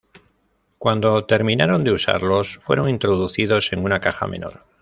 Cuando terminaron de usarlos, fueron introducidos en una caja menor.